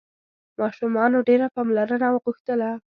ماشومانو ډېره پاملرنه غوښتله.